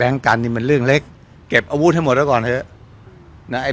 แบงค์กันนี่มันเรื่องเล็กเก็บอาวุธให้หมดแล้วก่อนเถอะ